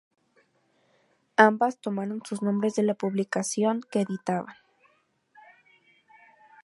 Ambas tomaron sus nombres de la publicación que editaban.